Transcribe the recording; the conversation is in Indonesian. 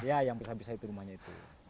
iya yang pisah pisah itu rumahnya itu